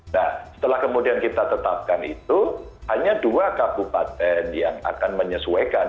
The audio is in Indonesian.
nah setelah kemudian kita tetapkan itu hanya dua kabupaten yang akan menyesuaikan